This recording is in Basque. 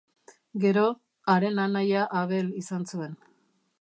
Gero, haren anaia Abel izan zuen.